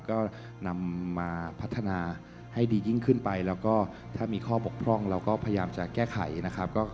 ก็นำมาพัฒนาให้ดียิ่งขึ้นไปแล้วก็ถ้ามีข้อบกพร่องเราก็พยายามจะแก้ไขนะครับ